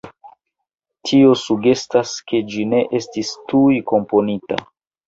Tio sugestas ke ĝi ne estis tuj komponita.